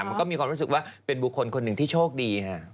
มันก็มีความรู้สึกว่าเป็นบุคคลคนหนึ่งที่โชคดี